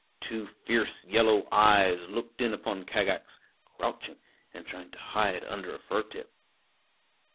Two fierce yellow eyes looked in upon Kagax, crouching and trying to hide under a fir tip.